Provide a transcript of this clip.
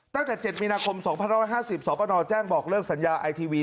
ตั้งแต่๗มีนาคม๒๑๕๐สปนแจ้งบอกเลิกสัญญาไอทีวี